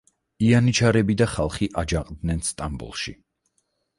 იანიჩარები და ხალხი აჯანყდნენ სტამბოლში.